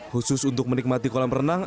khusus untuk menikmati kolam renang